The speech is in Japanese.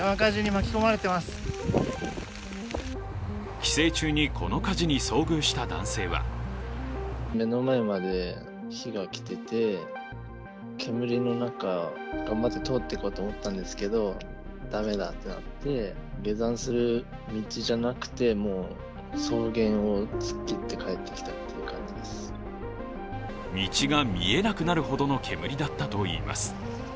帰省中にこの火事に遭遇した男性は道が見えなくなるほどの煙だったといいます。